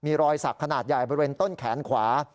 มีรอยสักขนาดใหญ่บริเวณต้นแขนขวา